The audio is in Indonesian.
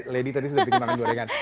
lady tadi sudah bikin makan gorengan